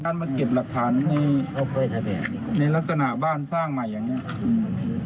มาเก็บหลักฐานในลักษณะบ้านสร้างใหม่อย่างเงี้อืม